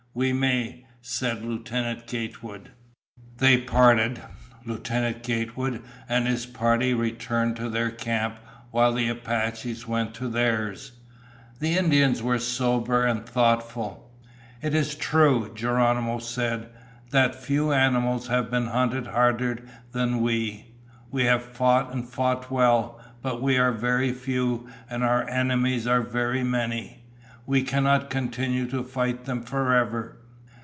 "We may," said Lieutenant Gatewood. They parted. Lieutenant Gatewood and his party returned to their camp while the Apaches went to theirs. The Indians were sober and thoughtful. "It is true," Geronimo said, "that few animals have been hunted harder than we. We have fought and fought well, but we are very few, and our enemies are very many. We cannot continue to fight them forever."